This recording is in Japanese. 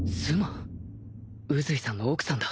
埒榾瓠宇髄さんの奥さんだ